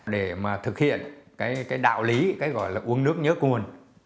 để mà thực hiện cái đạo lý cái gọi là uống nước nhớ nguồn